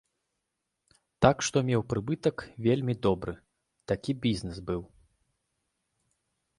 Так што меў прыбытак вельмі добры, такі бізнес быў.